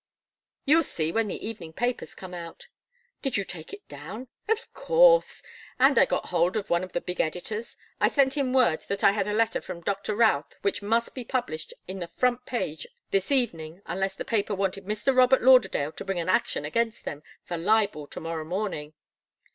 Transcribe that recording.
You'll see, when the evening papers come out " "Did you take it down town?" "Of course. And I got hold of one of the big editors. I sent in word that I had a letter from Doctor Routh which must be published in the front page this evening unless the paper wanted Mr. Robert Lauderdale to bring an action against them for libel to morrow morning.